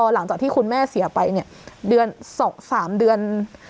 หลังจากที่คุณแม่เสียไปเนี่ยเดือน๒๓เดือน